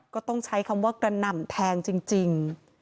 ก็ต้องใช้คำว่ากระหน่ำแทงจริง